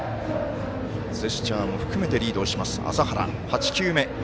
ジェスチャーも含めてリードする麻原。